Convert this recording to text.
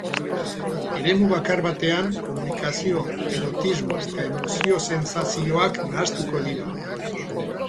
Eremu bakar batean, komunikazio, erotismo eta emozio sentsazioak nahastuko dira.